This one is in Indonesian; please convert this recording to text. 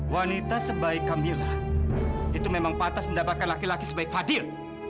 wanita sebaik kamila itu memang patah mendapatkan laki laki sebaik fadil